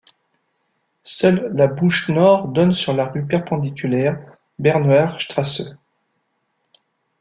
Seule la bouche nord donne sur la rue perpendiculaire Bernauer Straße.